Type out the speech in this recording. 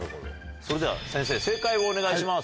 それでは先生、正解をお願いします。